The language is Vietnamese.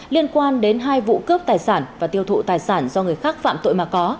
liên quan đến hai vụ cướp tài sản và tiêu thụ tài sản do người khác phạm tội mà có